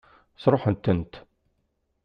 Sṛuḥent-tent?